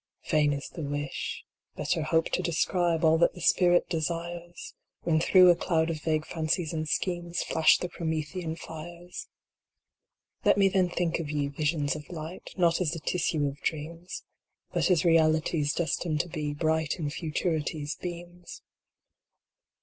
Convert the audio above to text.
Vain is the wish. Better hope to describe All that the spirit desires, When through a cloud of vague fancies and schemes Flash the Promethean fires. Let me then think of ye, Visions of Light, Not as the tissue of dreams, But as realities destined to be Bright in Futurity s beams.